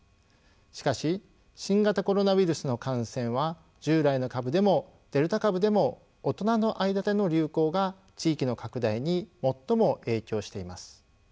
しかし新型コロナウイルスの感染は従来の株でもデルタ株でも大人の間での流行が地域の拡大に最も影響しています。